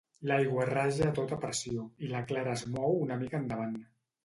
L'aigua raja a tota pressió i la Clara es mou una mica endavant.